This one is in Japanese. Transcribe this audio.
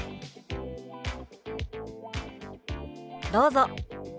どうぞ。